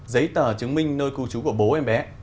giấy tờ chứng minh nơi cư trú của bố em bé